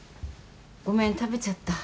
ごめん食べちゃった。